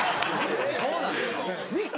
・そうなんですか？